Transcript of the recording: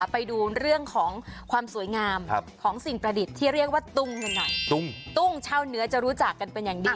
เราไปดูเรื่องของความสวยงามของสิ่งประดิษฐ์ที่เรียกว่าตุ้ง